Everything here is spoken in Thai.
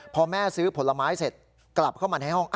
พอแม่ซื้อผลไม้เสร็จกลับเข้ามาในห้อง